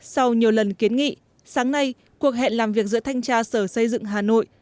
sau nhiều lần kiến nghị sáng nay cuộc hẹn làm việc giữa thanh tra sở xây dựng hà nội